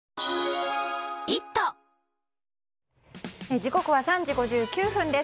時刻は３時５９分です。